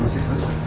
ya udah pa